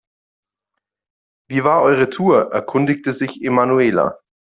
Wie war eure Tour?, erkundigte sich Emanuela.